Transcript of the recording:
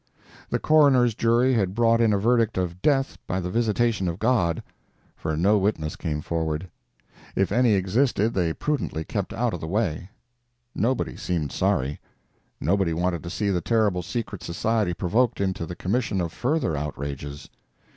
The coroner's jury had brought in a verdict of "death by the visitation of God," for no witness came forward; if any existed they prudently kept out of the way. Nobody seemed sorry. Nobody wanted to see the terrible secret society provoked into the commission of further outrages.